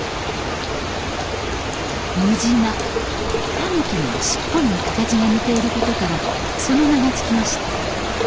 タヌキの尻尾に形が似ていることからその名が付きました。